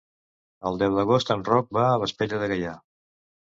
El deu d'agost en Roc va a Vespella de Gaià.